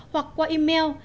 hoặc qua email